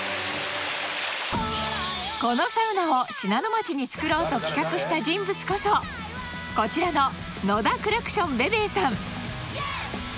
このサウナを信濃町に作ろうと企画した人物こそこちらの野田クラクションベベーさん